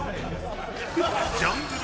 ジャングル